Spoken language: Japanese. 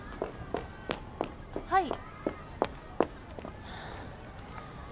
はい。